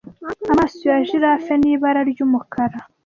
Amaso ya giraffes ni ibara ry'umukara